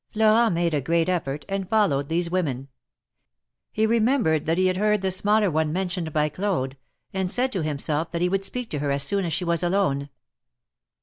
Florent made a great effort, and followed these women. He remembered that he had heard the smaller one men tioned by Claude, and said to himself that he would speak to her as soon as she was alone.